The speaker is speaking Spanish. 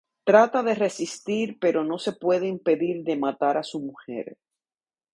Trata de resistir pero no se puede impedir de matar a su mujer.